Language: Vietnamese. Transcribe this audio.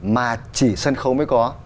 mà chỉ sân khấu mới có